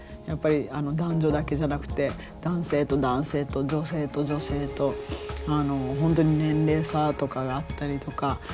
やっぱり男女だけじゃなくて男性と男性と女性と女性とほんとに年齢差とかがあったりとか。